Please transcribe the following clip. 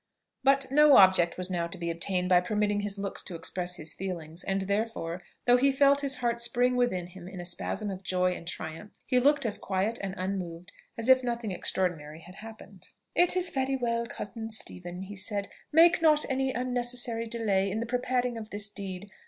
But no object was now to be obtained by permitting his looks to express his feelings; and therefore, though he felt his heart spring within him in a spasm of joy and triumph, he looked as quiet and unmoved as if nothing extraordinary had happened. "It is very well, cousin Stephen," he said; "make not any unnecessary delay in the preparing of this deed.